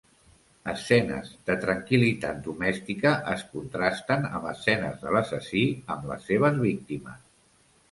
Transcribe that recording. Escenes de tranquil·litat domèstica es contrasten amb escenes de l'assassí amb les seves víctimes.